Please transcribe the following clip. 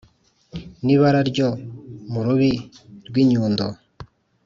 N’ibara ryo mu Rubi rw’ I Nyundo.